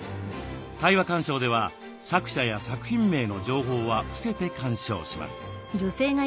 対話鑑賞では作者や作品名の情報は伏せて鑑賞します。